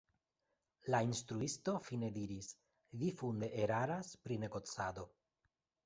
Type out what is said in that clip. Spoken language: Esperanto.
La instruisto fine diris: “Vi funde eraras pri negocado.